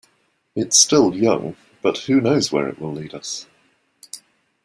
It's still young, but who knows where it will lead us.